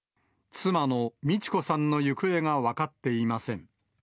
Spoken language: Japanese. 妻の路子さんの行方が分かっていません。